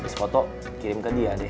abis foto kirim ke dia deh